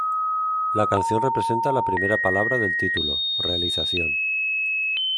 La canción representa la primera palabra del título, realización.